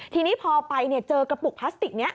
ทีนี้พอไปเจอกระปุกพลาสติกนี้